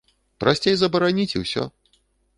Прасцей забараніць і ўсё.